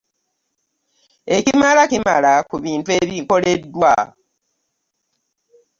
Ekimala kimala ku bintu ebikoleddwa.